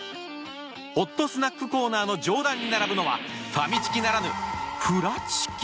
ホットスナックコーナーの上段に並ぶのはファミチキならぬ。